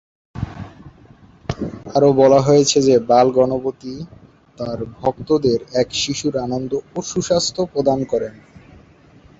আরও বলা হয়েছে যে, বাল-গণপতি তার ভক্তদের এক শিশুর আনন্দ ও সুস্বাস্থ্য প্রদান করেন।